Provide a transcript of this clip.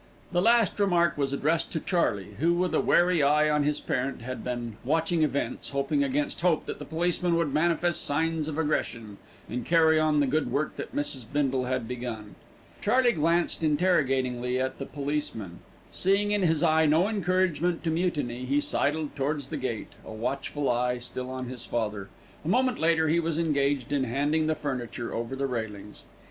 The last remark was addressed to Charley, who, with a wary eye on his parent, had been watching events, hoping against hope that the policeman would manifest signs of aggression, and carry on the good work that Mrs. Bindle had begun. Charley glanced interrogatingly at the policeman. Seeing in his eye no encouragement to mutiny, he sidled towards the gate, a watchful eye still on his father. A moment later he was engaged in handing the furniture over the railings.